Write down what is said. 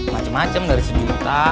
macem macem dari sejuta